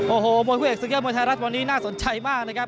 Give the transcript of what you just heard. โอ้โหมวยคู่เอกศึกยอดมวยไทยรัฐวันนี้น่าสนใจมากนะครับ